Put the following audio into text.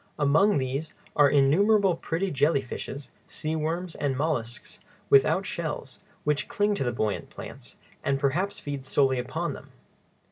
Among these are innumerable pretty jelly fishes, sea worms, and mollusks without shells, which cling to the buoyant plants, and perhaps feed solely upon them.